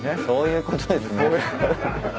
そういうことですね。